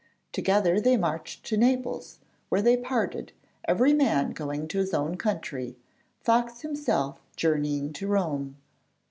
Together they marched to Naples where they parted, every man going to his own country, Fox himself journeying to Rome.